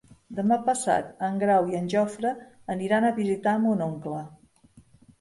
Demà passat en Grau i en Jofre aniran a visitar mon oncle.